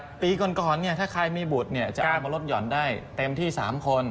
อือหือปีก่อนเนี่ยถ้าใครมีบุตรเนี่ยจะเอามาลดหย่อนได้เต็มที่๓คน